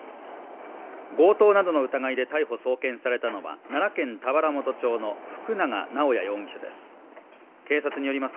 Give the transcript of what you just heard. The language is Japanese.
強盗などの疑いで逮捕・送検されたのは奈良県田原本町の福永直也容疑者です。